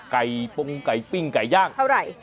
ปงไก่ปิ้งไก่ย่างเท่าไหร่